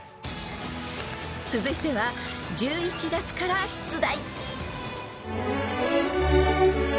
［続いては１１月から出題］